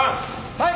はい！